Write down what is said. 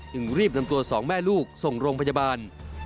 รีบนำตัวสองแม่ลูกส่งโรงพยาบาล